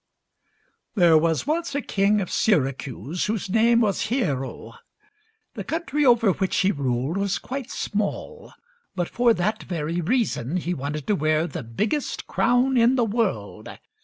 There was once a king of Syracuse whose name was Hiero. The country over which he ruled was quite small, but for that very reason he wanted to wear the biggest crown in the world.